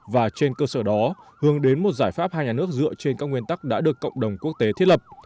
và trên cơ sở đó hướng đến một giải pháp hai nhà nước dựa trên các nguyên tắc đã được cộng đồng quốc tế thiết lập